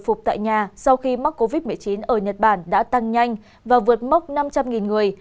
phục tại nhà sau khi mắc covid một mươi chín ở nhật bản đã tăng nhanh và vượt mốc năm trăm linh người